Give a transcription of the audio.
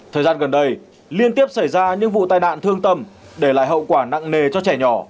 thời gian gần đây liên tiếp xảy ra những vụ tai nạn thương tâm để lại hậu quả nặng nề cho trẻ nhỏ